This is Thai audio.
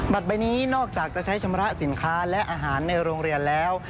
ใบนี้นอกจากจะใช้ชำระสินค้าและอาหารในโรงเรียนแล้ว